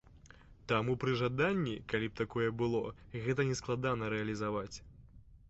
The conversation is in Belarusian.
Таму пры жаданні, калі б такое было, гэта не складана рэалізаваць.